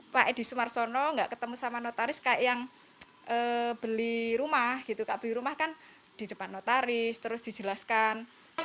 beli rumah kan di depan notaris terus dijelaskan